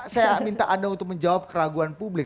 saya minta anda untuk menjawab keraguan publik